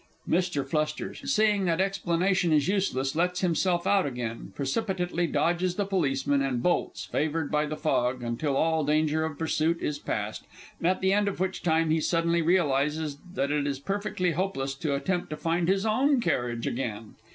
[MR. F., seeing that explanation is useless, lets himself out again, precipitately, dodges the POLICEMAN, _and bolts, favoured by the fog, until all danger of pursuit is passed, at the end of which time he suddenly realizes that it is perfectly hopeless to attempt to find his own carriage again_.